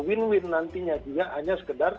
win win nantinya juga hanya sekedar